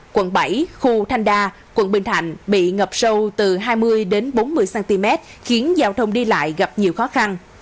quận bảy khu thanh đa quận bình thạnh bị ngập sâu từ hai mươi đến bốn mươi cm khiến giao thông đi lại gặp nhiều khó khăn